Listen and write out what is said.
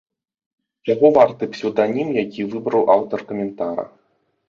Чаго варты псеўданім, які выбраў аўтар каментара!